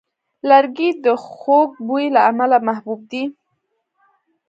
لرګی د خوږ بوی له امله محبوب دی.